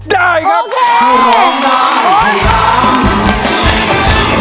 ได้ครับ